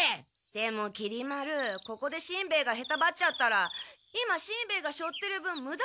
でもきり丸ここでしんべヱがへたばっちゃったら今しんべヱがしょってる分ムダになっちゃうでしょ？